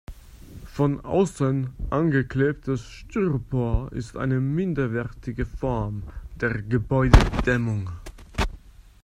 Von außen angeklebtes Styropor ist eine minderwertige Form der Gebäudedämmung.